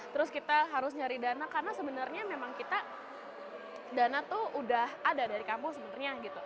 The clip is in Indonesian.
terus kita harus nyari dana karena sebenarnya memang kita dana tuh udah ada dari kampung sebenarnya gitu